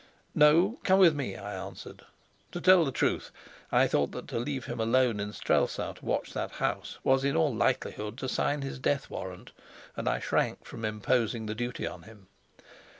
"No, come with me," I answered. To tell the truth, I thought that to leave him alone in Strelsau to watch that house was in all likelihood to sign his death warrant, and I shrank from imposing the duty on him.